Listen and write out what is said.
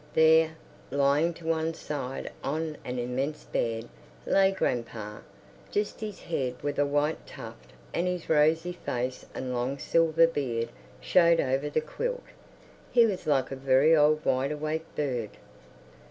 There, lying to one side on an immense bed, lay grandpa. Just his head with a white tuft and his rosy face and long silver beard showed over the quilt. He was like a very old wide awake bird.